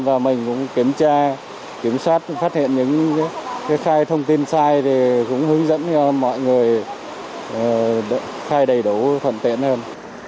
và mình cũng kiểm tra kiểm soát phát hiện những khai thông tin sai thì cũng hướng dẫn cho mọi người khai đầy đủ thuận tiện hơn